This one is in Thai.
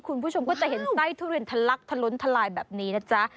คุณผู้ชมก็จะเห็นไส้ทุเรียนทะลักทะล้นทลายแบบนี้นะจ๊ะ